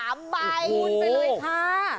โอ้โหไปเลยค่ะ